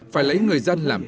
phải lấy người dân làm chủ